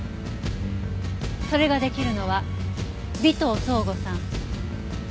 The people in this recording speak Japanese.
それができるのは尾藤奏吾さん。